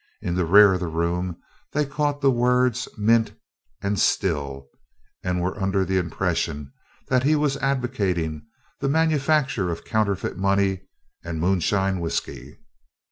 In the rear of the room they caught the words "mint" and "still," and were under the impression that he was advocating the manufacture of counterfeit money and moonshine whiskey.